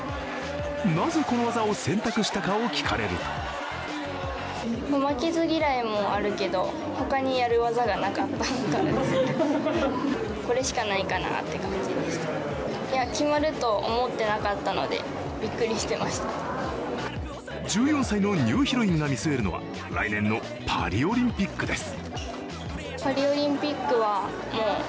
なぜ、この技を選択したかを聞かれると１４歳のニューヒロインが見据えるのは来年のパリオリンピックです。